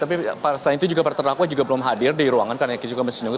tapi selain itu juga para terdakwa juga belum hadir di ruangan karena kita juga masih menunggu